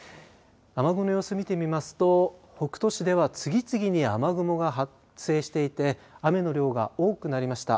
雨雲の様子見てみますと北杜市では次々に雨雲が発生していて雨の量が多くなりました。